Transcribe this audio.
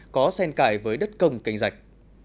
có sen cài với đất công kênh dạch